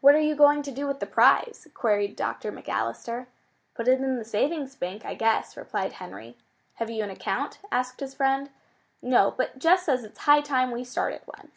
"What are you going to do with the prize?" queried Dr. McAllister. "Put it in the savings bank, I guess," replied Henry. "Have you an account?" asked his friend. "No, but Jess says it's high time we started one."